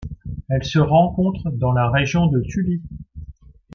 Elle se rencontre dans la région de Tully.